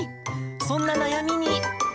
そんな悩みに。